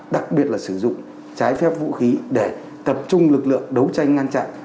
đặc biệt là sử dụng trái phép vũ khí để tập trung lực lượng đấu tranh ngăn chặn